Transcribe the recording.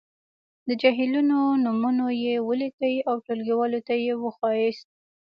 د جهیلونو نومونويې ولیکئ او ټولګیوالو ته یې وښایاست.